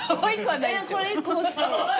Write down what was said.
これ１個欲しい。